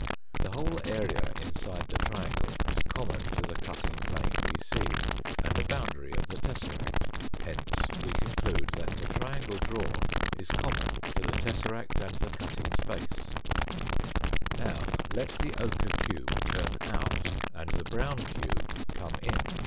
The whole area inside the triangle is common to the cutting plane we see, and a boundary of the tesseract. Hence we conclude that the triangle drawn is common to the tesseract and the cutting space. 196 FOURTH DIMENSION Red Now let the ochre cube turn out and the brown cube come in.